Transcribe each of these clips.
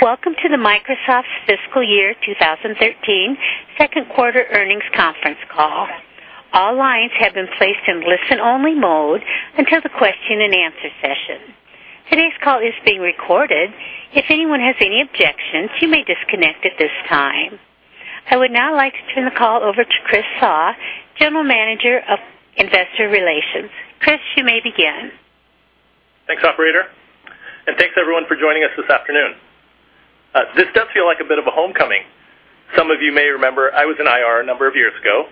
Welcome to the Microsoft Fiscal Year 2013 second quarter earnings conference call. All lines have been placed in listen-only mode until the question and answer session. Today's call is being recorded. If anyone has any objections, you may disconnect at this time. I would now like to turn the call over to Chris Suh, General Manager of Investor Relations. Chris, you may begin. Thanks, operator. Thanks everyone for joining us this afternoon. This does feel like a bit of a homecoming. Some of you may remember I was in IR a number of years ago.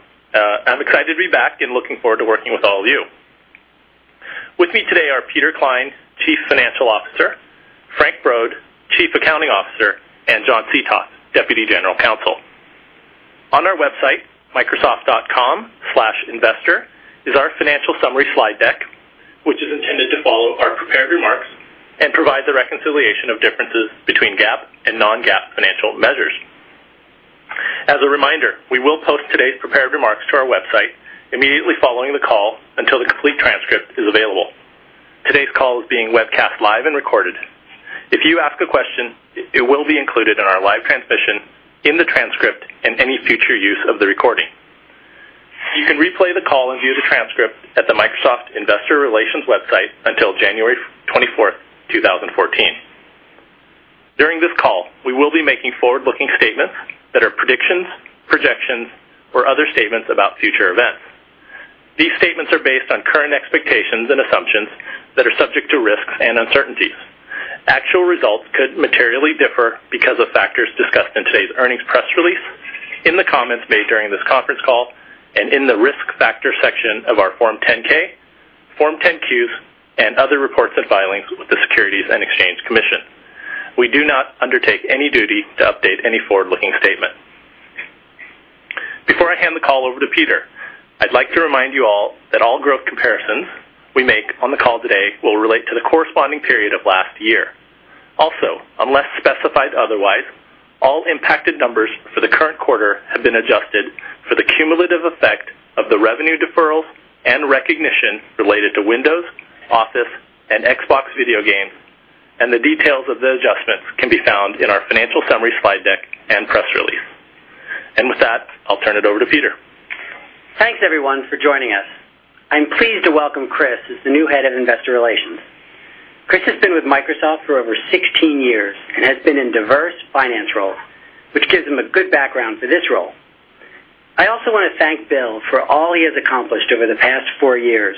I'm excited to be back and looking forward to working with all of you. With me today are Peter Klein, Chief Financial Officer, Frank Brod, Chief Accounting Officer, and John Seethoff, Deputy General Counsel. On our website, microsoft.com/investor, is our financial summary slide deck, which is intended to follow our prepared remarks and provide the reconciliation of differences between GAAP and non-GAAP financial measures. As a reminder, we will post today's prepared remarks to our website immediately following the call until the complete transcript is available. Today's call is being webcast live and recorded. If you ask a question, it will be included in our live transmission, in the transcript, and any future use of the recording. You can replay the call and view the transcript at the Microsoft Investor Relations website until January 24th, 2014. During this call, we will be making forward-looking statements that are predictions, projections, or other statements about future events. These statements are based on current expectations and assumptions that are subject to risks and uncertainties. Actual results could materially differ because of factors discussed in today's earnings press release, in the comments made during this conference call, and in the Risk Factors section of our Form 10-K, Form 10-Q, and other reports and filings with the Securities and Exchange Commission. We do not undertake any duty to update any forward-looking statement. Before I hand the call over to Peter, I'd like to remind you all that all growth comparisons we make on the call today will relate to the corresponding period of last year. Unless specified otherwise, all impacted numbers for the current quarter have been adjusted for the cumulative effect of the revenue deferrals and recognition related to Windows, Office, and Xbox video games. The details of the adjustments can be found in our financial summary slide deck and press release. With that, I'll turn it over to Peter. Thanks everyone for joining us. I'm pleased to welcome Chris as the new head of Investor Relations. Chris has been with Microsoft for over 16 years and has been in diverse finance roles, which gives him a good background for this role. I also want to thank Bill for all he has accomplished over the past four years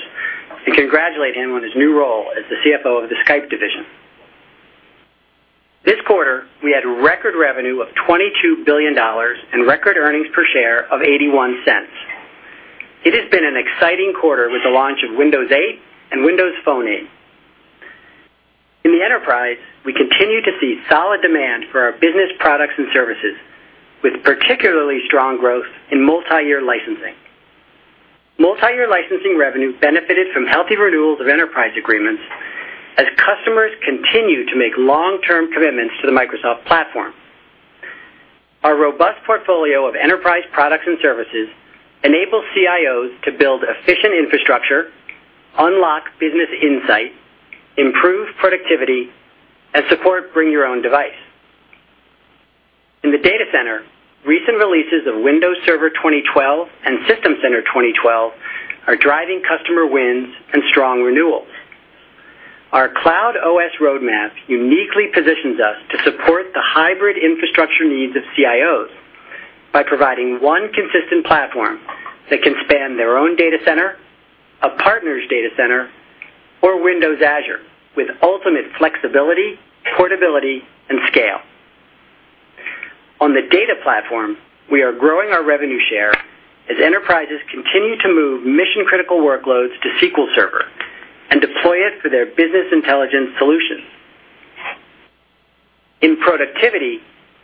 and congratulate him on his new role as the CFO of the Skype division. This quarter, we had record revenue of $22 billion and record earnings per share of $0.81. It has been an exciting quarter with the launch of Windows 8 and Windows Phone 8. In the enterprise, we continue to see solid demand for our business products and services, with particularly strong growth in multi-year licensing. Multi-year licensing revenue benefited from healthy renewals of enterprise agreements as customers continue to make long-term commitments to the Microsoft platform. Our robust portfolio of enterprise products and services enables CIOs to build efficient infrastructure, unlock business insight, improve productivity, and support bring your own device. In the data center, recent releases of Windows Server 2012 and System Center 2012 are driving customer wins and strong renewals. Our cloud OS roadmap uniquely positions us to support the hybrid infrastructure needs of CIOs by providing one consistent platform that can span their own data center, a partner's data center, or Windows Azure with ultimate flexibility, portability, and scale. On the data platform, we are growing our revenue share as enterprises continue to move mission-critical workloads to SQL Server and deploy it for their business intelligence solutions. In productivity,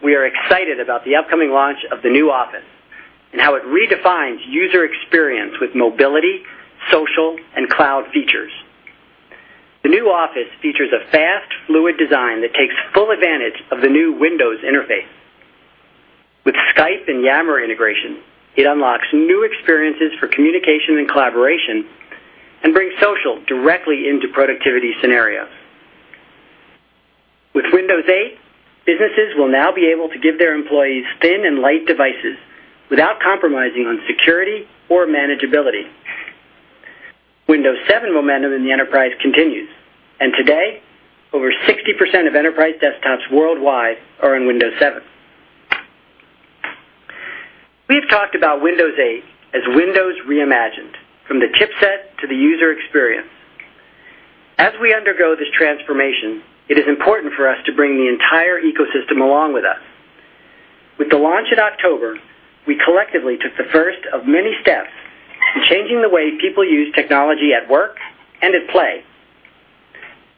we are excited about the upcoming launch of the new Office and how it redefines user experience with mobility, social, and cloud features. The new Office features a fast, fluid design that takes full advantage of the new Windows interface. With Skype and Yammer integration, it unlocks new experiences for communication and collaboration and brings social directly into productivity scenarios. With Windows 8, businesses will now be able to give their employees thin and light devices without compromising on security or manageability. Windows 7 momentum in the enterprise continues, and to date, over 60% of enterprise desktops worldwide are on Windows 7. We've talked about Windows 8 as Windows reimagined, from the chipset to the user experience. As we undergo this transformation, it is important for us to bring the entire ecosystem along with us. With the launch in October, we collectively took the first of many steps in changing the way people use technology at work and at play.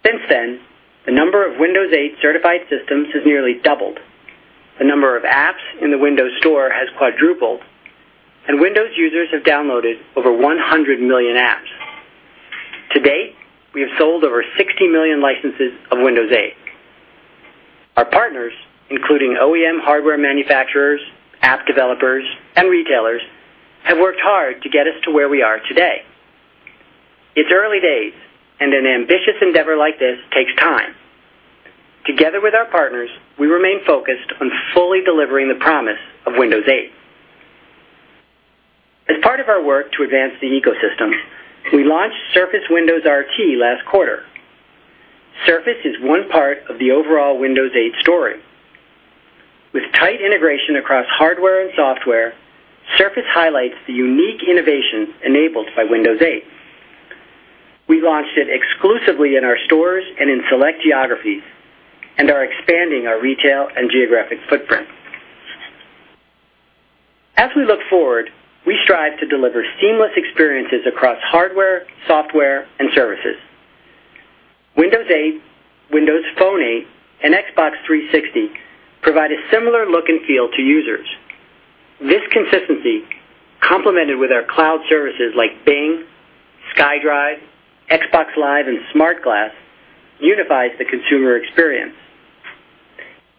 Since then, the number of Windows 8 certified systems has nearly doubled. The number of apps in the Windows Store has quadrupled, and Windows users have downloaded over 100 million apps. To date, we have sold over 60 million licenses of Windows 8. Our partners, including OEM hardware manufacturers, app developers, and retailers Hard to get us to where we are today. It's early days, and an ambitious endeavor like this takes time. Together with our partners, we remain focused on fully delivering the promise of Windows 8. As part of our work to advance the ecosystems, we launched Surface Windows RT last quarter. Surface is one part of the overall Windows 8 story. With tight integration across hardware and software, Surface highlights the unique innovations enabled by Windows 8. We launched it exclusively in our stores and in select geographies and are expanding our retail and geographic footprint. As we look forward, we strive to deliver seamless experiences across hardware, software, and services. Windows 8, Windows Phone 8, and Xbox 360 provide a similar look and feel to users. This consistency, complemented with our cloud services like Bing, SkyDrive, Xbox Live, and SmartGlass, unifies the consumer experience.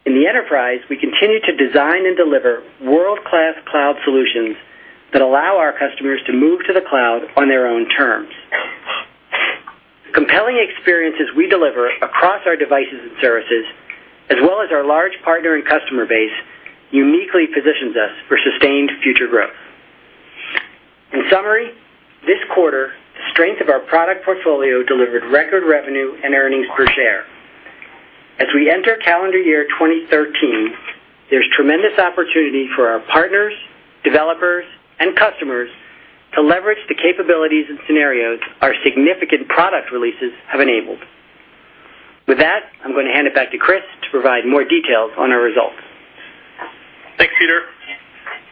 In the enterprise, we continue to design and deliver world-class cloud solutions that allow our customers to move to the cloud on their own terms. The compelling experiences we deliver across our devices and services, as well as our large partner and customer base, uniquely positions us for sustained future growth. In summary, this quarter, the strength of our product portfolio delivered record revenue and earnings per share. As we enter calendar year 2013, there is tremendous opportunity for our partners, developers, and customers to leverage the capabilities and scenarios our significant product releases have enabled. With that, I am going to hand it back to Chris to provide more details on our results. Thanks, Peter.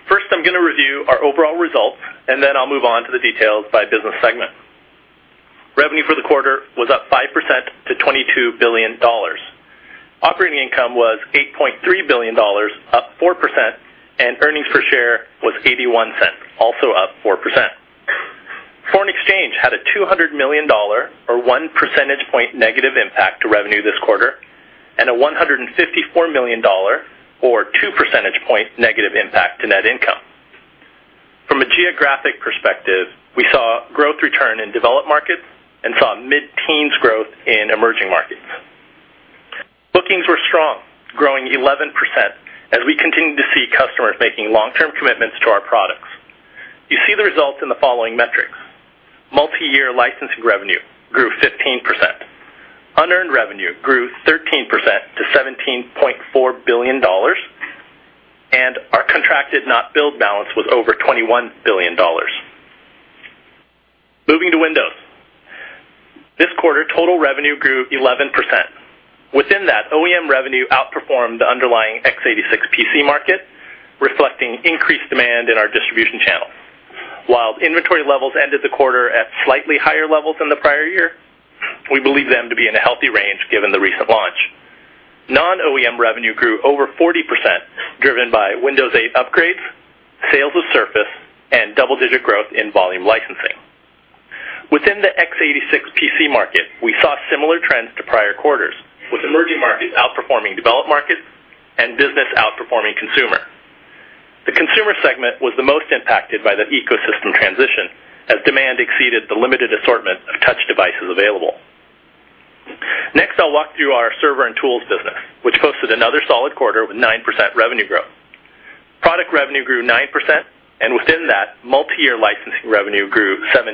First, I am going to review our overall results, and then I will move on to the details by business segment. Revenue for the quarter was up 5% to $22 billion. Operating income was $8.3 billion, up 4%, and earnings per share was $0.81, also up 4%. Foreign exchange had a $200 million, or one percentage point, negative impact to revenue this quarter and a $154 million, or two percentage point, negative impact to net income. From a geographic perspective, we saw growth return in developed markets and saw mid-teens growth in emerging markets. Bookings were strong, growing 11% as we continue to see customers making long-term commitments to our products. You see the results in the following metrics. Multi-year licensing revenue grew 15%. Unearned revenue grew 13% to $17.4 billion, and our contracted not billed balance was over $21 billion. Moving to Windows. This quarter, total revenue grew 11%. Within that, OEM revenue outperformed the underlying x86 PC market, reflecting increased demand in our distribution channel. While inventory levels ended the quarter at slightly higher levels than the prior year, we believe them to be in a healthy range given the recent launch. Non-OEM revenue grew over 40%, driven by Windows 8 upgrades, sales of Surface, and double-digit growth in volume licensing. Within the x86 PC market, we saw similar trends to prior quarters, with emerging markets outperforming developed markets and business outperforming consumer. The consumer segment was the most impacted by the ecosystem transition as demand exceeded the limited assortment of touch devices available. Next, I will walk through our Server and Tools business, which posted another solid quarter with 9% revenue growth. Product revenue grew 9%, and within that, multi-year licensing revenue grew 17%.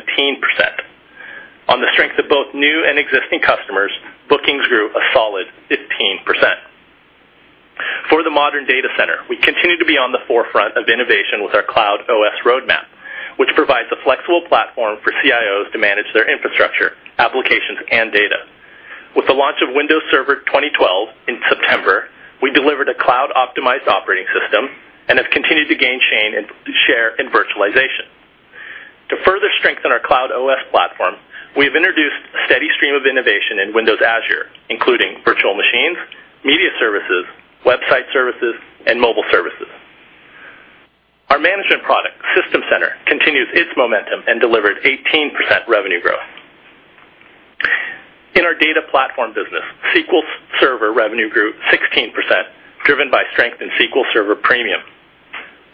On the strength of both new and existing customers, bookings grew a solid 15%. For the modern data center, we continue to be on the forefront of innovation with our cloud OS roadmap, which provides a flexible platform for CIOs to manage their infrastructure, applications, and data. With the launch of Windows Server 2012 in September, we delivered a cloud-optimized operating system and have continued to gain share in virtualization. To further strengthen our cloud OS platform, we have introduced a steady stream of innovation in Windows Azure, including virtual machines, media services, website services, and mobile services. Our management product, System Center, continues its momentum and delivered 18% revenue growth. In our data platform business, SQL Server revenue grew 16%, driven by strength in SQL Server Premium.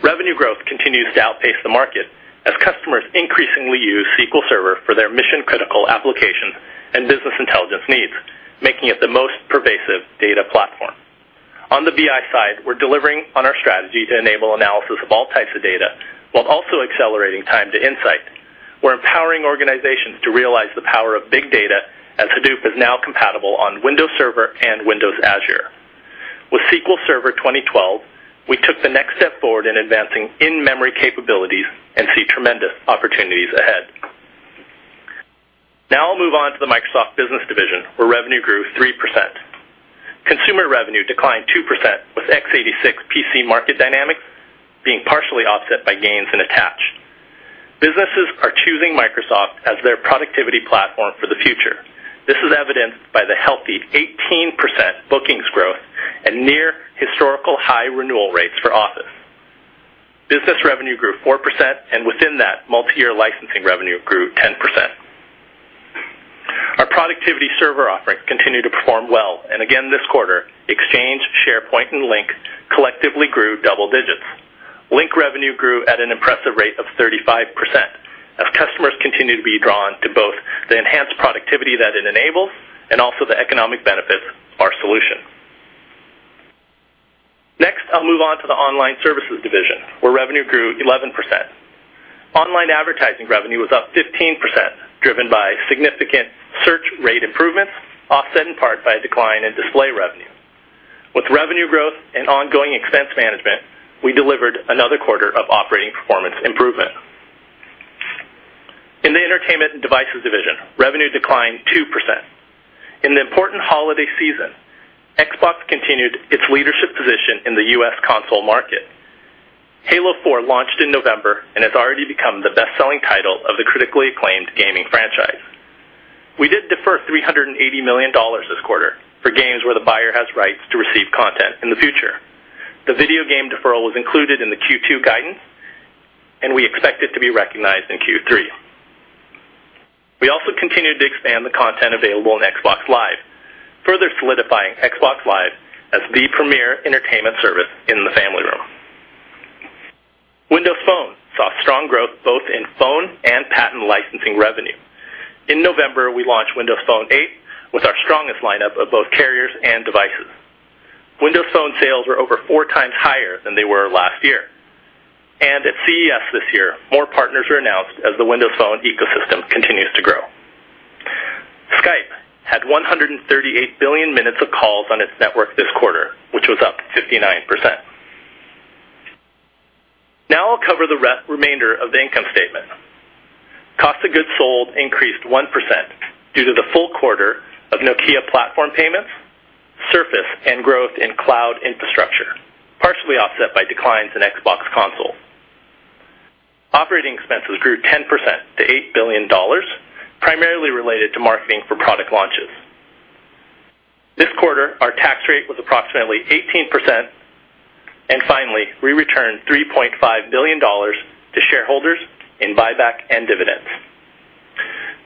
Revenue growth continues to outpace the market as customers increasingly use SQL Server for their mission-critical applications and business intelligence needs, making it the most pervasive data platform. On the BI side, we're delivering on our strategy to enable analysis of all types of data while also accelerating time to insight. We're empowering organizations to realize the power of big data as Hadoop is now compatible on Windows Server and Windows Azure. With SQL Server 2012, we took the next step forward in advancing in-memory capabilities and see tremendous opportunities ahead. Now I'll move on to the Microsoft Business Division, where revenue grew 3%. Consumer revenue declined 2%, with x86 PC market dynamics being partially offset by gains in attached. Businesses are choosing Microsoft as their productivity platform for the future. This is evidenced by the healthy 18% bookings growth and near historical high renewal rates for Office. Business revenue grew 4%, and within that, multi-year licensing revenue grew 10%. Again this quarter, Exchange, SharePoint, and Lync collectively grew double digits. Lync revenue grew at an impressive rate of 35% as customers continue to be drawn to both the enhanced productivity that it enables and also the economic benefits of our solution. Next, I'll move on to the Online Services Division, where revenue grew 11%. Online advertising revenue was up 15%, driven by significant search rate improvements, offset in part by a decline in display revenue. With revenue growth and ongoing expense management, we delivered another quarter of operating performance improvement. In the Entertainment and Devices Division, revenue declined 2%. In the important holiday season, Xbox continued its leadership position in the U.S. console market. Halo 4 launched in November and has already become the best-selling title of the critically acclaimed gaming franchise. We did defer $380 million this quarter for games where the buyer has rights to receive content in the future. The video game deferral was included in the Q2 guidance, and we expect it to be recognized in Q3. We also continued to expand the content available on Xbox Live, further solidifying Xbox Live as the premier entertainment service in the family room. Windows Phone saw strong growth both in phone and patent licensing revenue. In November, we launched Windows Phone 8 with our strongest lineup of both carriers and devices. Windows Phone sales were over four times higher than they were last year. At CES this year, more partners were announced as the Windows Phone ecosystem continues to grow. Skype had 138 billion minutes of calls on its network this quarter, which was up 59%. Now I'll cover the remainder of the income statement. Cost of goods sold increased 1% due to the full quarter of Nokia platform payments, Surface, and growth in cloud infrastructure, partially offset by declines in Xbox consoles. Operating expenses grew 10% to $8 billion, primarily related to marketing for product launches. This quarter, our tax rate was approximately 18%, and finally, we returned $3.5 billion to shareholders in buyback and dividends.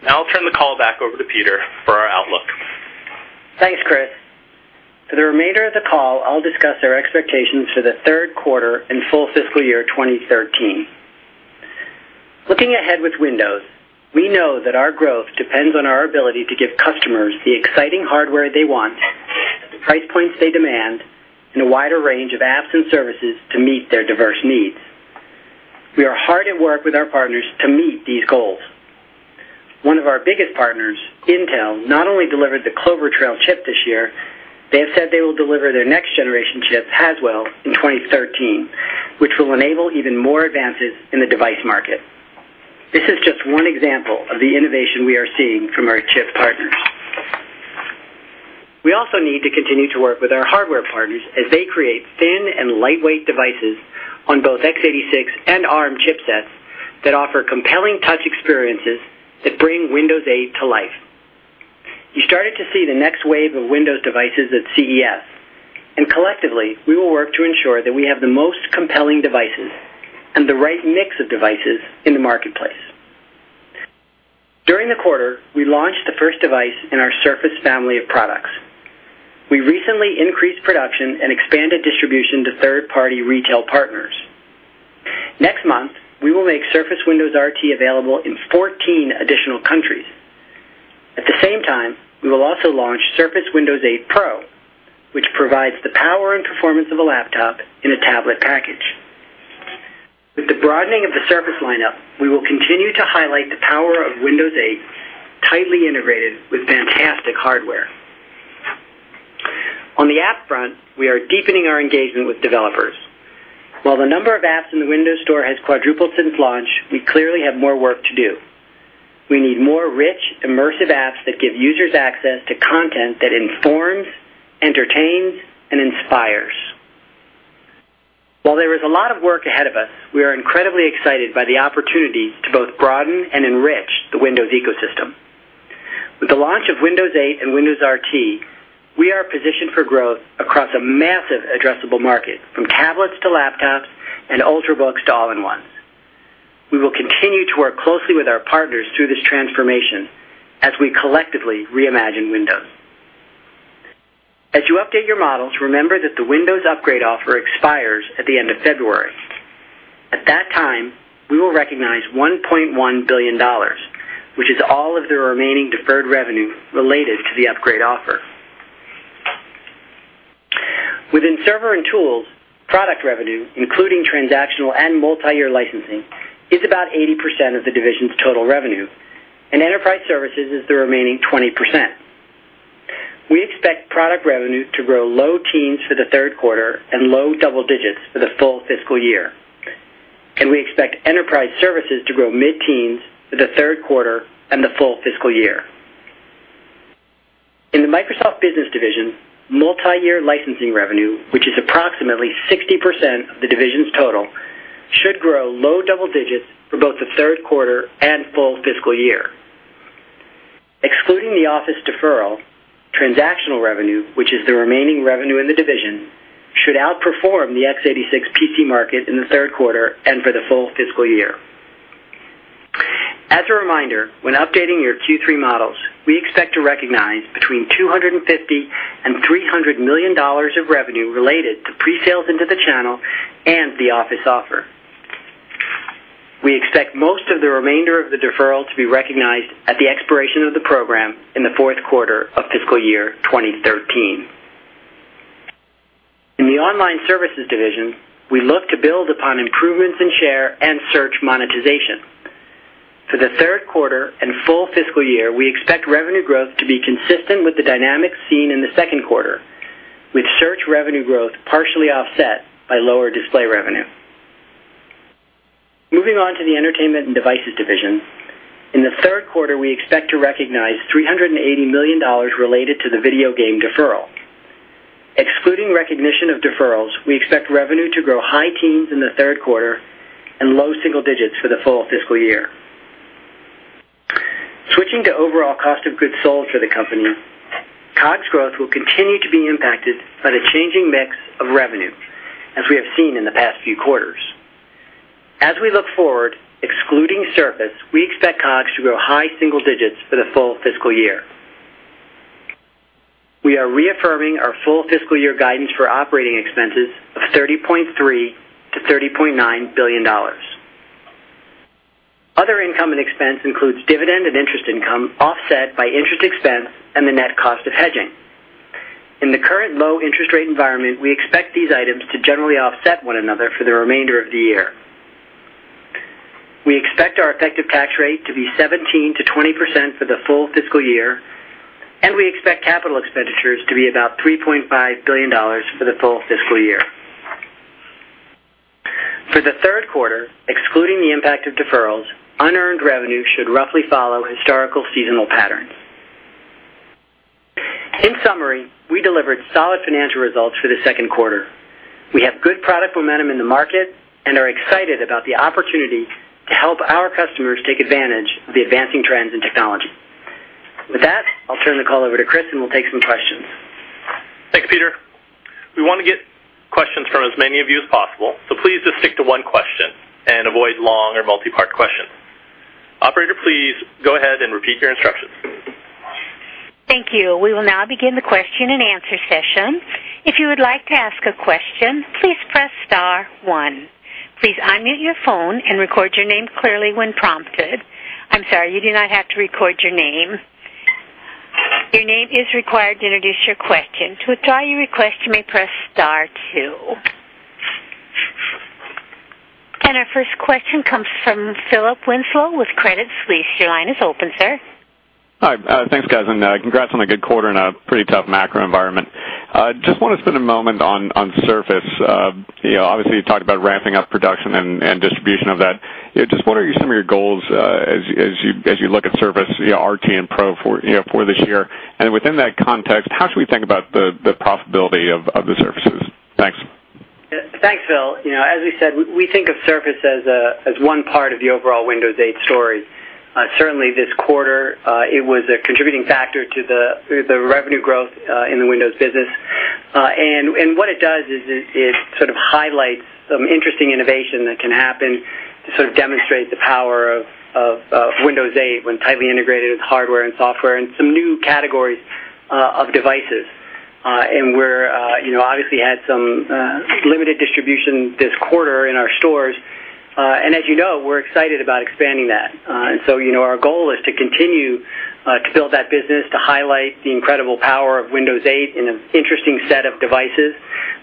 I'll turn the call back over to Peter for our outlook. Thanks, Chris. For the remainder of the call, I'll discuss our expectations for the third quarter and full fiscal year 2013. Looking ahead with Windows, we know that our growth depends on our ability to give customers the exciting hardware they want, at the price points they demand, and a wider range of apps and services to meet their diverse needs. We are hard at work with our partners to meet these goals. One of our biggest partners, Intel, not only delivered the Clover Trail chip this year, they have said they will deliver their next generation chip, Haswell, in 2013, which will enable even more advances in the device market. This is just one example of the innovation we are seeing from our chip partners. We also need to continue to work with our hardware partners as they create thin and lightweight devices on both x86 and ARM chipsets that offer compelling touch experiences that bring Windows 8 to life. You started to see the next wave of Windows devices at CES, collectively, we will work to ensure that we have the most compelling devices and the right mix of devices in the marketplace. During the quarter, we launched the first device in our Surface family of products. We recently increased production and expanded distribution to third-party retail partners. Next month, we will make Surface Windows RT available in 14 additional countries. At the same time, we will also launch Surface Windows 8 Pro, which provides the power and performance of a laptop in a tablet package. With the broadening of the Surface lineup, we will continue to highlight the power of Windows 8 tightly integrated with fantastic hardware. On the app front, we are deepening our engagement with developers. While the number of apps in the Windows Store has quadrupled since launch, we clearly have more work to do. We need more rich, immersive apps that give users access to content that informs, entertains, and inspires. While there is a lot of work ahead of us, we are incredibly excited by the opportunity to both broaden and enrich the Windows ecosystem. With the launch of Windows 8 and Windows RT, we are positioned for growth across a massive addressable market, from tablets to laptops and ultrabooks to all-in-ones. We will continue to work closely with our partners through this transformation as we collectively reimagine Windows. As you update your models, remember that the Windows Upgrade Offer expires at the end of February. At that time, we will recognize $1.1 billion, which is all of the remaining deferred revenue related to the upgrade offer. Within Server and Tools, product revenue, including transactional and multi-year licensing, is about 80% of the division's total revenue, and enterprise services is the remaining 20%. We expect product revenue to grow low teens for the third quarter and low double digits for the full fiscal year. We expect enterprise services to grow mid-teens for the third quarter and the full fiscal year. In the Microsoft Business Division, multi-year licensing revenue, which is approximately 60% of the division's total, should grow low double digits for both the third quarter and full fiscal year. Excluding the Office deferral, transactional revenue, which is the remaining revenue in the division, should outperform the x86 PC market in the third quarter and for the full fiscal year. As a reminder, when updating your Q3 models, we expect to recognize between $250 million and $300 million of revenue related to pre-sales into the channel and the Office Offer. We expect most of the remainder of the deferral to be recognized at the expiration of the program in the fourth quarter of fiscal year 2013. In the Online Services Division, we look to build upon improvements in share and search monetization. For the third quarter and full fiscal year, we expect revenue growth to be consistent with the dynamics seen in the second quarter, with search revenue growth partially offset by lower display revenue. Moving on to the Entertainment and Devices Division. In the third quarter, we expect to recognize $380 million related to the video game deferral. Excluding recognition of deferrals, we expect revenue to grow high teens in the third quarter and low single digits for the full fiscal year. Switching to overall cost of goods sold for the company, COGS growth will continue to be impacted by the changing mix of revenue as we have seen in the past few quarters. As we look forward, excluding Surface, we expect COGS to grow high single digits for the full fiscal year. We are reaffirming our full fiscal year guidance for operating expenses of $30.3 billion to $30.9 billion. Other income and expense includes dividend and interest income, offset by interest expense and the net cost of hedging. In the current low-interest-rate environment, we expect these items to generally offset one another for the remainder of the year. We expect our effective tax rate to be 17%-20% for the full fiscal year, and we expect capital expenditures to be about $3.5 billion for the full fiscal year. For the third quarter, excluding the impact of deferrals, unearned revenue should roughly follow historical seasonal patterns. In summary, we delivered solid financial results for the second quarter. We have good product momentum in the market and are excited about the opportunity to help our customers take advantage of the advancing trends in technology. With that, I'll turn the call over to Chris. We'll take some questions. Thanks, Peter. We want to get questions from as many of you as possible, please just stick to one question and avoid long or multi-part questions. Operator, please go ahead and repeat your instructions. Thank you. We will now begin the question-and-answer session. If you would like to ask a question, please press *1. Please unmute your phone and record your name clearly when prompted. I'm sorry, you do not have to record your name. Your name is required to introduce your question. To withdraw your request, you may press *2. Our first question comes from Philip Winslow with Credit Suisse. Your line is open, sir. Hi. Thanks, guys, congrats on a good quarter in a pretty tough macro environment. Want to spend a moment on Surface. Obviously, you talked about ramping up production and distribution of that. Wonder some of your goals as you look at Surface RT and Pro for this year? Within that context, how should we think about the profitability of the Surfaces? Thanks. Thanks, Phil. As we said, we think of Surface as one part of the overall Windows 8 story. Certainly, this quarter, it was a contributing factor to the revenue growth in the Windows business. What it does is it sort of highlights some interesting innovation that can happen to sort of demonstrate the power of Windows 8 when tightly integrated with hardware and software and some new categories of devices. We obviously had some limited distribution this quarter in our stores. As you know, we're excited about expanding that. Our goal is to continue to build that business, to highlight the incredible power of Windows 8 in an interesting set of devices.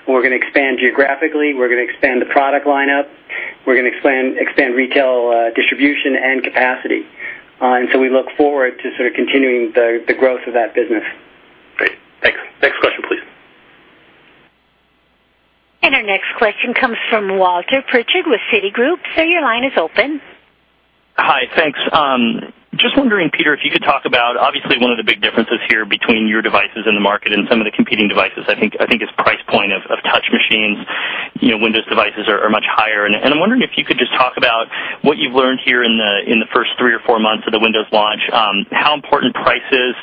We're going to expand geographically. We're going to expand the product lineup. We're going to expand retail distribution and capacity. We look forward to sort of continuing the growth of that business. Great. Thanks. Next question, please. Our next question comes from Walter Pritchard with Citigroup. Sir, your line is open. Hi. Thanks. Just wondering, Peter, if you could talk about, obviously one of the big differences here between your devices in the market and some of the competing devices, I think is price point of touch machines. Windows devices are much higher, and I'm wondering if you could just talk about what you've learned here in the first three or four months of the Windows launch. How important price is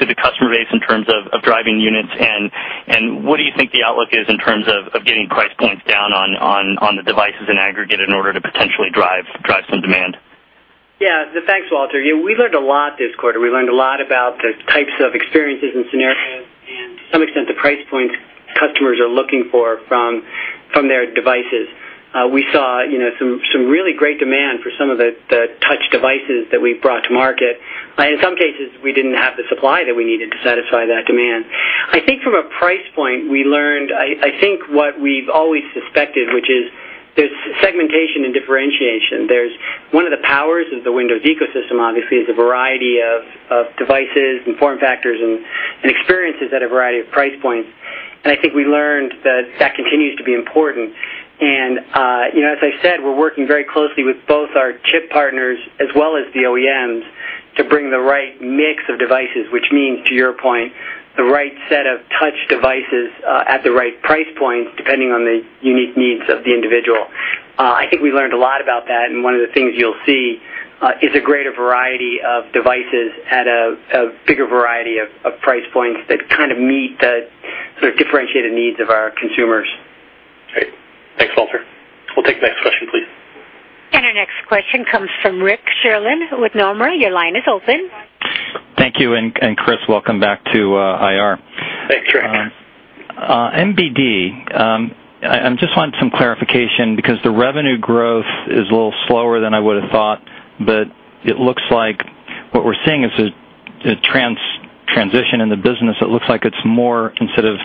to the customer base in terms of driving units, and what do you think the outlook is in terms of getting price points down on the devices in aggregate in order to potentially drive some demand? Yeah. Thanks, Walter. We learned a lot this quarter. We learned a lot about the types of experiences and scenarios and to some extent, the price points customers are looking for from their devices. We saw some really great demand for some of the touch devices that we brought to market. In some cases, we didn't have the supply that we needed to satisfy that demand. I think from a price point, we learned, I think what we've always suspected, which is there's segmentation and differentiation. One of the powers of the Windows ecosystem, obviously, is a variety of devices and form factors and experiences at a variety of price points. I think we learned that continues to be important. As I said, we're working very closely with both our chip partners as well as the OEMs to bring the right mix of devices, which means, to your point, the right set of touch devices at the right price points depending on the unique needs of the individual. I think we learned a lot about that, and one of the things you'll see is a greater variety of devices at a bigger variety of price points that kind of meet the sort of differentiated needs of our consumers. We'll take the next question, please. Our next question comes from Rick Sherlund with Nomura. Your line is open. Thank you. Chris, welcome back to IR. Thanks, Rick. MBD, I just want some clarification because the revenue growth is a little slower than I would've thought, but it looks like what we're seeing is a transition in the business. It looks like it's more instead of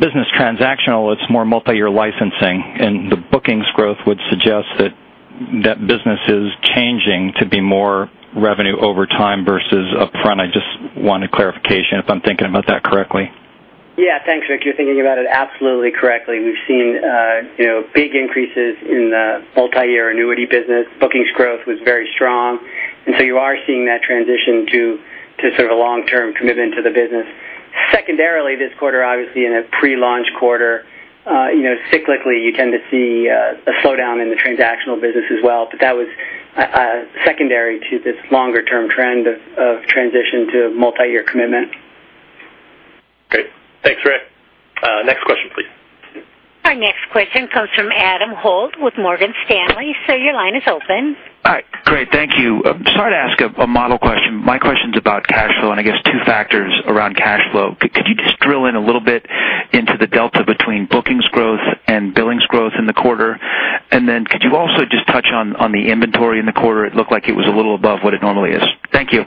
business transactional, it's more multi-year licensing, and the bookings growth would suggest that that business is changing to be more revenue over time versus upfront. I just wanted clarification if I'm thinking about that correctly. Yeah. Thanks, Rick. You're thinking about it absolutely correctly. We've seen big increases in the multi-year annuity business. Bookings growth was very strong, and so you are seeing that transition to sort of a long-term commitment to the business. Secondarily, this quarter, obviously in a pre-launch quarter, cyclically, you tend to see a slowdown in the transactional business as well. That was secondary to this longer-term trend of transition to multi-year commitment. Great. Thanks, Rick. Next question, please. Our next question comes from Adam Holt with Morgan Stanley. Sir, your line is open. Hi. Great. Thank you. Sorry to ask a model question. My question's about cash flow and I guess two factors around cash flow. Could you just drill in a little bit into the delta between bookings growth and billings growth in the quarter? Then could you also just touch on the inventory in the quarter? It looked like it was a little above what it normally is. Thank you.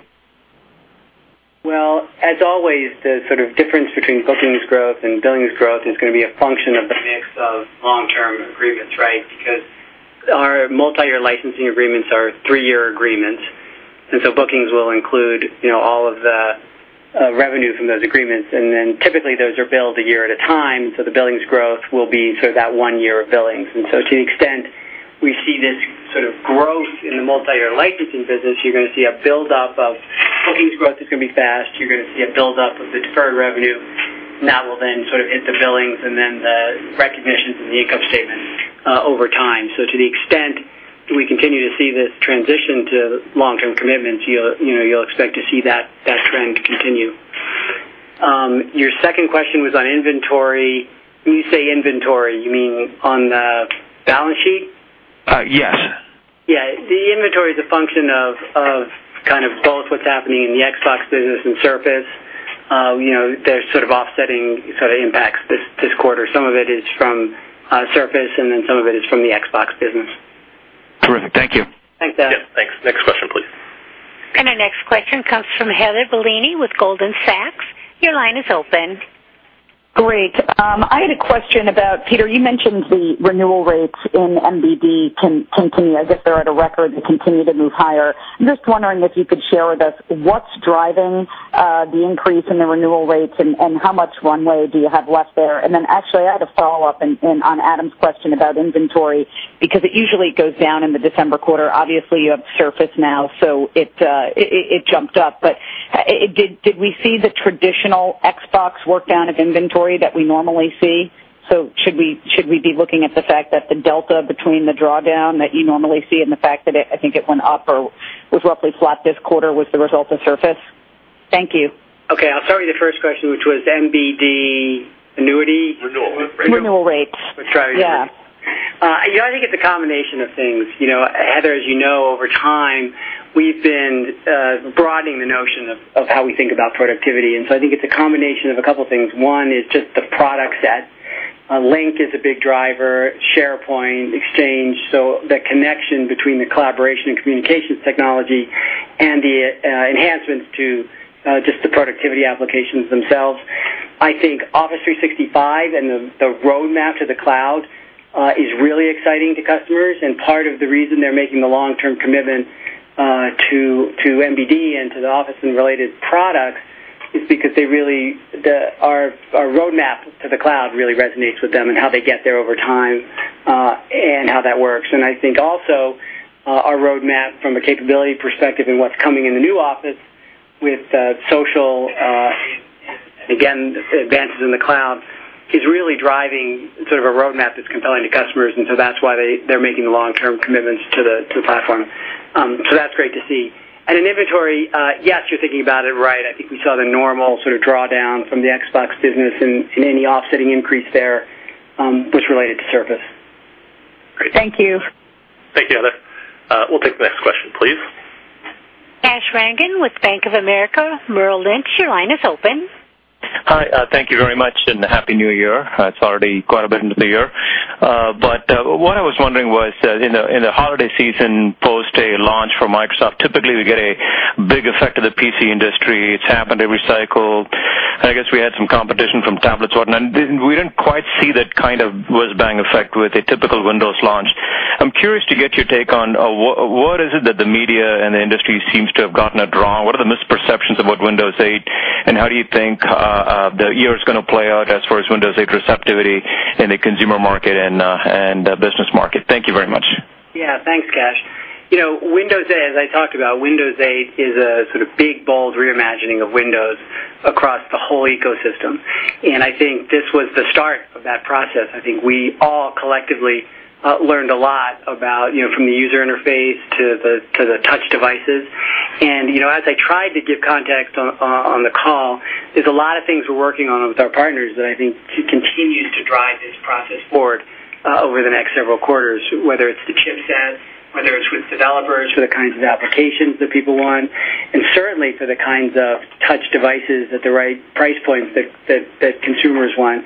Well, as always, the sort of difference between bookings growth and billings growth is going to be a function of the mix of long-term agreements, right? Because our multi-year licensing agreements are three-year agreements. Bookings will include all of the revenue from those agreements. Typically those are billed a year at a time. The billings growth will be sort of that one year of billings. To the extent we see this sort of growth in the multi-year licensing business, you're going to see a build-up of bookings growth is going to be fast. You're going to see a build-up of the deferred revenue. That will then sort of hit the billings and then the recognitions in the income statement over time. To the extent we continue to see this transition to long-term commitments, you'll expect to see that trend continue. Your second question was on inventory. When you say inventory, you mean on the balance sheet? Yes. Yeah. The inventory is a function of kind of both what's happening in the Xbox business and Surface. They're sort of offsetting sort of impacts this quarter. Some of it is from Surface, and then some of it is from the Xbox business. Terrific. Thank you. Thanks, Adam. Yes, thanks. Next question, please. Our next question comes from Heather Bellini with Goldman Sachs. Your line is open. Great. I had a question about, Peter, you mentioned the renewal rates in MBD continue as if they're at a record and continue to move higher. I'm just wondering if you could share with us what's driving the increase in the renewal rates and how much runway do you have left there? Then actually, I had a follow-up on Adam's question about inventory because it usually goes down in the December quarter. Obviously, you have Surface now, so it jumped up. But did we see the traditional Xbox work down of inventory that we normally see? Should we be looking at the fact that the delta between the drawdown that you normally see and the fact that I think it went up or was roughly flat this quarter was the result of Surface? Thank you. Okay. I'll start with the first question, which was MBD annuity? Renewal rate. Renewal rates. What's driving renewals? Yeah. I think it's a combination of things. Heather, as you know, over time, we've been broadening the notion of how we think about productivity. I think it's a combination of a couple of things. One is just the product set. Lync is a big driver, SharePoint, Exchange. The connection between the collaboration and communications technology and the enhancements to just the productivity applications themselves. I think Office 365 and the roadmap to the cloud is really exciting to customers. Part of the reason they're making the long-term commitment to MBD and to the Office and related products is because our roadmap to the cloud really resonates with them and how they get there over time and how that works. I think also our roadmap from a capability perspective and what's coming in the new Office with social and again, advances in the cloud is really driving sort of a roadmap that's compelling to customers. That's why they're making the long-term commitments to the platform. That's great to see. In inventory, yes, you're thinking about it right. I think we saw the normal sort of drawdown from the Xbox business and any offsetting increase there was related to Surface. Great. Thank you. Thank you, Heather. We'll take the next question, please. Kash Rangan with Bank of America Merrill Lynch, your line is open. Hi, thank you very much, and Happy New Year. It is already quite a bit into the year. What I was wondering was that in the holiday season post a launch for Microsoft, typically we get a big effect of the PC industry. It has happened every cycle. I guess we had some competition from tablets and whatnot, and we did not quite see that kind of whizzbang effect with a typical Windows launch. I am curious to get your take on what is it that the media and the industry seems to have gotten it wrong? What are the misperceptions about Windows 8, and how do you think the year is going to play out as far as Windows 8 receptivity in the consumer market and business market? Thank you very much. Yeah. Thanks, Kash. Windows 8, as I talked about, Windows 8 is a sort of big, bold reimagining of Windows across the whole ecosystem, and I think this was the start of that process. I think we all collectively learned a lot about from the user interface to the touch devices. As I tried to give context on the call, there is a lot of things we are working on with our partners that I think to continue to drive this process forward over the next several quarters, whether it is the chip sets, whether it is with developers for the kinds of applications that people want, and certainly for the kinds of touch devices at the right price points that consumers want.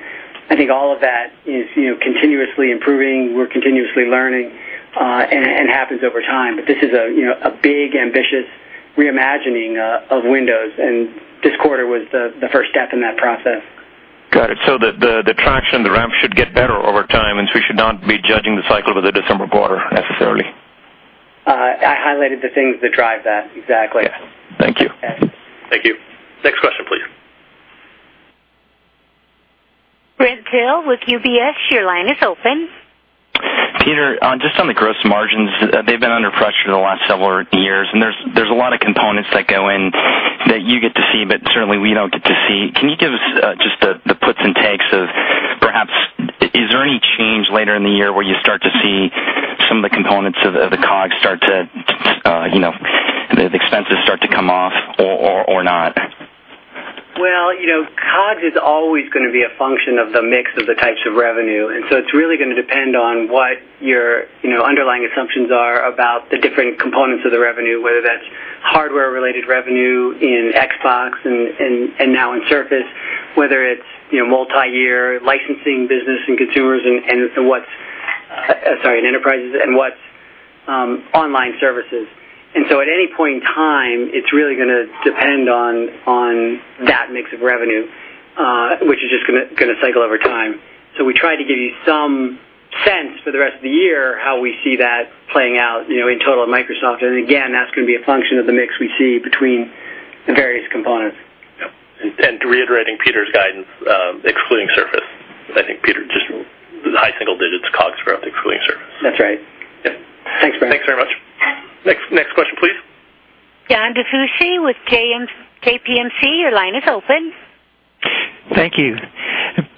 I think all of that is continuously improving. We are continuously learning, and it happens over time. This is a big, ambitious reimagining of Windows, and this quarter was the first step in that process. Got it. The traction, the ramp should get better over time, we should not be judging the cycle of the December quarter necessarily. I highlighted the things that drive that. Exactly. Yeah. Thank you. Okay. Thank you. Next question, please. Brent Thill with UBS, your line is open. Peter, just on the gross margins, they've been under pressure the last several years, and there's a lot of components that go in that you get to see, but certainly we don't get to see. Can you give us just the puts and takes of perhaps, is there any change later in the year where you start to see some of the components of the COGS, the expenses start to come off or not? Well, COGS is always going to be a function of the mix of the types of revenue. It's really going to depend on what your underlying assumptions are about the different components of the revenue, whether that's hardware-related revenue in Xbox and now in Surface, whether it's multi-year licensing business in consumers, sorry, in enterprises and what's online services. At any point in time, it's really going to depend on that mix of revenue, which is just going to cycle over time. We try to give you some sense for the rest of the year, how we see that playing out in total at Microsoft. That's going to be a function of the mix we see between the various components. Yep. Reiterating Peter's guidance, excluding Surface. I think high single digits COGS growth, excluding Surface. That's right. Yeah. Thanks, Brent. Thanks very much. Next question, please. John DiFucci with JPMorgan, your line is open. Thank you.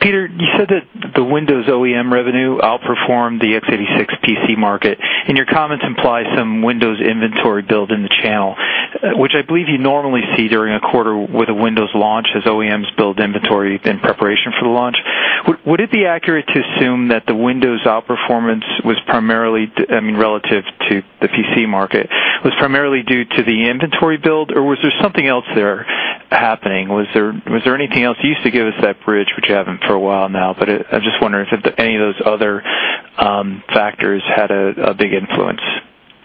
Peter, you said that the Windows OEM revenue outperformed the x86 PC market, your comments imply some Windows inventory build in the channel, which I believe you normally see during a quarter with a Windows launch as OEMs build inventory in preparation for the launch. Would it be accurate to assume that the Windows outperformance was primarily, I mean, relative to the PC market, was primarily due to the inventory build, or was there something else there happening? Was there anything else? You used to give us that bridge, which you haven't for a while now, but I'm just wondering if any of those other factors had a big influence.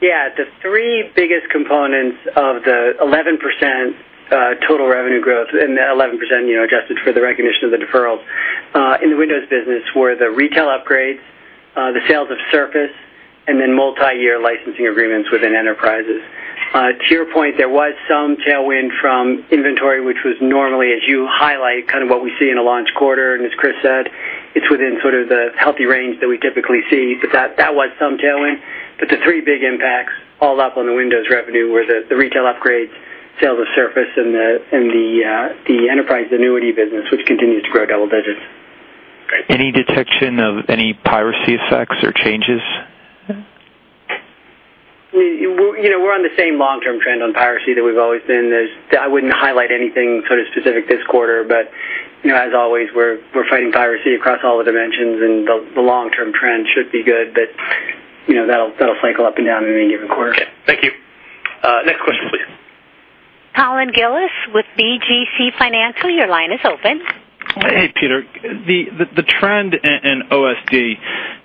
Yeah. The three biggest components of the 11% total revenue growth and the 11%, adjusted for the recognition of the deferrals, in the Windows business were the retail upgrades, the sales of Surface, and multi-year licensing agreements within enterprises. To your point, there was some tailwind from inventory, which was normally, as you highlight, kind of what we see in a launch quarter, and as Chris said, it's within sort of the healthy range that we typically see. That was some tailwind. The three big impacts all up on the Windows revenue were the retail upgrades, sales of Surface, and the enterprise annuity business, which continues to grow double digits. Great. Any detection of any piracy effects or changes? We're on the same long-term trend on piracy that we've always been. I wouldn't highlight anything sort of specific this quarter, as always, we're fighting piracy across all the dimensions, and the long-term trend should be good. That'll cycle up and down in any given quarter. Okay. Thank you. Next question, please. Colin Gillis with BGC Partners, your line is open. Hey, Peter. The trend in OSD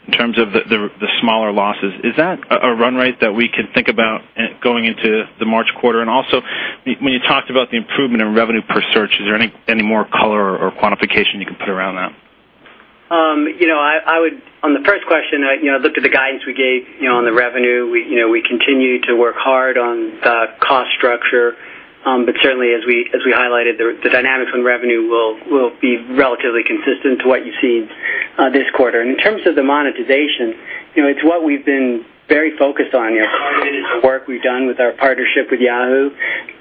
in terms of the smaller losses, is that a run rate that we can think about going into the March quarter? Also, when you talked about the improvement in revenue per search, is there any more color or quantification you can put around that? On the first question, look at the guidance we gave on the revenue. We continue to work hard on the cost structure. Certainly, as we highlighted, the dynamics on revenue will be relatively consistent to what you see this quarter. In terms of the monetization, it's what we've been very focused on here. Part of it is the work we've done with our partnership with Yahoo,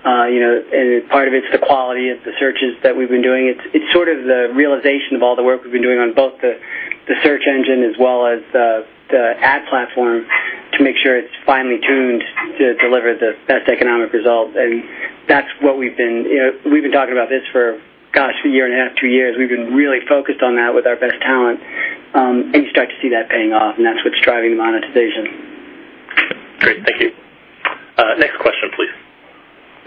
and part of it's the quality of the searches that we've been doing. It's sort of the realization of all the work we've been doing on both the search engine as well as the ad platform to make sure it's finely tuned to deliver the best economic results. That's what we've been talking about this for, gosh, a year and a half, two years. We've been really focused on that with our best talent. You start to see that paying off, and that's what's driving the monetization. Great. Thank you. Next question, please.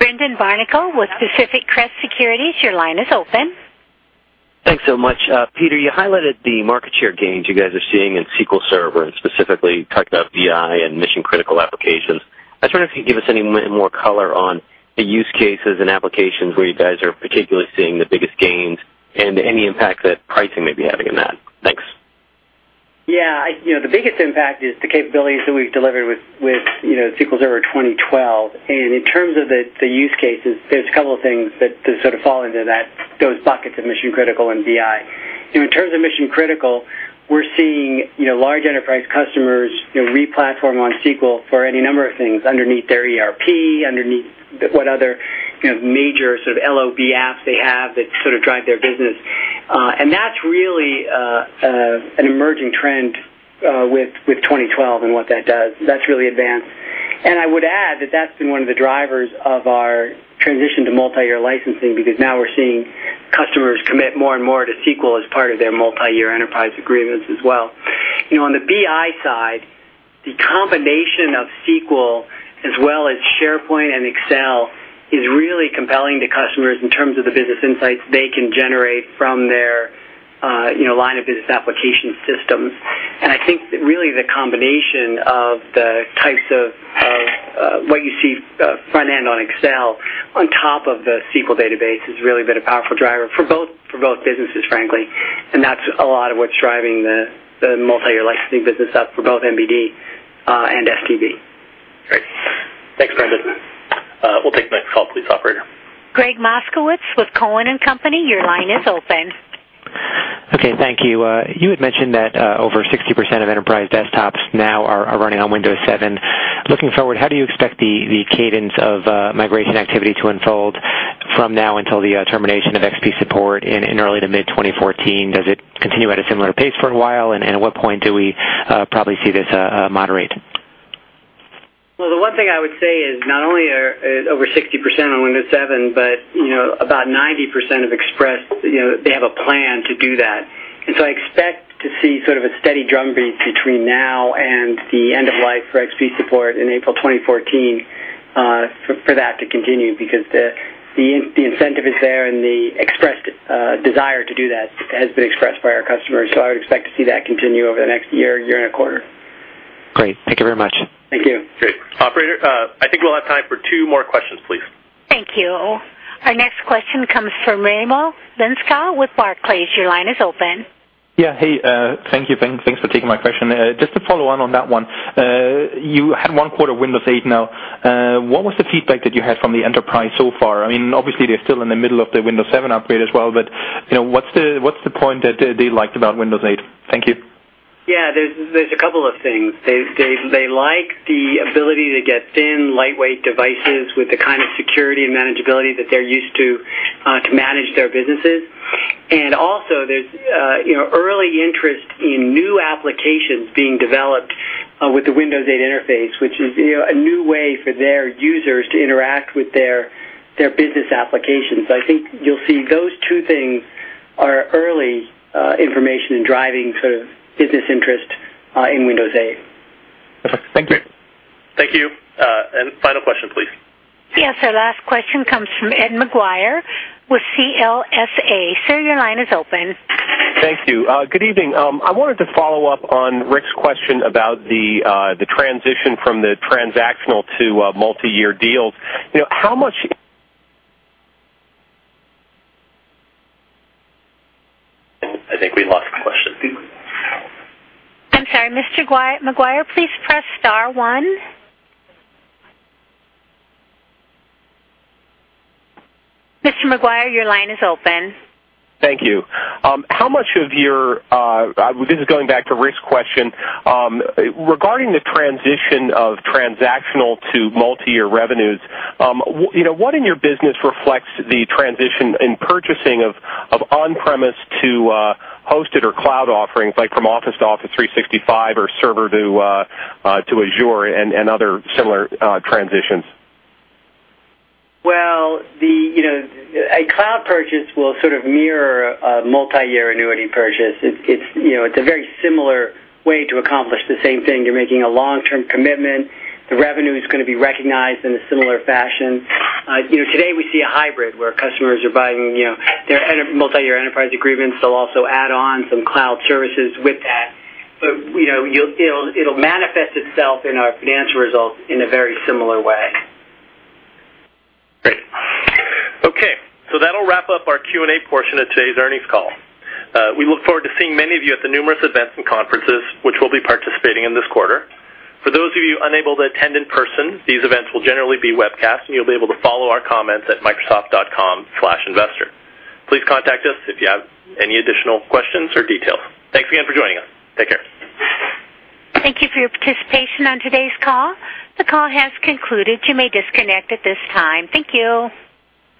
Brendan Barnicle with Pacific Crest Securities, your line is open. Thanks so much. Peter, you highlighted the market share gains you guys are seeing in SQL Server and specifically talked about BI and mission-critical applications. I was wondering if you could give us any more color on the use cases and applications where you guys are particularly seeing the biggest gains and any impact that pricing may be having in that. Thanks. Yeah. The biggest impact is the capabilities that we've delivered with SQL Server 2012. In terms of the use cases, there's a couple of things that sort of fall into those buckets of mission-critical and BI. In terms of mission-critical, we're seeing large enterprise customers re-platform on SQL for any number of things underneath their ERP, underneath what other major sort of LOB apps they have that sort of drive their business. That's really an emerging trend with 2012 and what that does. That's really advanced. I would add that that's been one of the drivers of our transition to multiyear licensing, because now we're seeing customers commit more and more to SQL as part of their multiyear enterprise agreements as well. On the BI side, the combination of SQL as well as SharePoint and Excel is really compelling to customers in terms of the business insights they can generate from their line of business application systems. I think that really the combination of what you see front end on Excel on top of the SQL database has really been a powerful driver for both businesses, frankly. That's a lot of what's driving the multiyear licensing business up for both MBD and Server and Tools. Great. Thanks, Brendan. We'll take the next call, please, operator. Gregg Moskowitz with Cowen and Company, your line is open. Okay, thank you. You had mentioned that over 60% of enterprise desktops now are running on Windows 7. Looking forward, how do you expect the cadence of migration activity to unfold from now until the termination of XP support in early to mid 2014? Does it continue at a similar pace for a while? At what point do we probably see this moderate? Well, the one thing I would say is not only are over 60% on Windows 7, but about 90% have expressed they have a plan to do that. I expect to see sort of a steady drumbeat between now and the end of life for XP support in April 2014 for that to continue, because the incentive is there and the expressed desire to do that has been expressed by our customers. I would expect to see that continue over the next year and a quarter. Great. Thank you very much. Thank you. Great. Operator, I think we'll have time for two more questions, please. Thank you. Our next question comes from Raimo Lenschow with Barclays. Your line is open. Yeah. Hey, thank you. Thanks for taking my question. Just to follow on that one. You had one quarter Windows 8 now. What was the feedback that you had from the enterprise so far? Obviously, they're still in the middle of the Windows 7 upgrade as well, but what's the point that they liked about Windows 8? Thank you. there's a couple of things. They like the ability to get thin, lightweight devices with the kind of security and manageability that they're used to manage their businesses. Also, there's early interest in new applications being developed with the Windows 8 interface, which is a new way for their users to interact with their business applications. I think you'll see those two things are early information in driving business interest in Windows 8. Perfect. Thank you. Thank you. Final question, please. Yes, our last question comes from Ed Maguire with CLSA. Sir, your line is open. Thank you. Good evening. I wanted to follow up on Rick's question about the transition from the transactional to multiyear deals. I think we lost the question. I'm sorry. Mr. Maguire, please press star one. Mr. Maguire, your line is open. Thank you. This is going back to Rick's question. Regarding the transition of transactional to multiyear revenues, what in your business reflects the transition in purchasing of on-premise to hosted or cloud offerings, like from Office to Office 365 or Server to Azure and other similar transitions? Well, a cloud purchase will sort of mirror a multiyear annuity purchase. It's a very similar way to accomplish the same thing. You're making a long-term commitment. The revenue's going to be recognized in a similar fashion. Today, we see a hybrid where customers are buying their multiyear enterprise agreements. They'll also add on some cloud services with that. It'll manifest itself in our financial results in a very similar way. Okay, that'll wrap up our Q&A portion of today's earnings call. We look forward to seeing many of you at the numerous events and conferences which we'll be participating in this quarter. For those of you unable to attend in person, these events will generally be webcast, and you'll be able to follow our comments at microsoft.com/investor. Please contact us if you have any additional questions or details. Thanks again for joining us. Take care. Thank you for your participation on today's call. The call has concluded. You may disconnect at this time. Thank you.